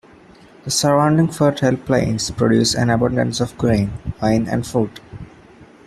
The surrounding fertile plains produce an abundance of grain, wine and fruit.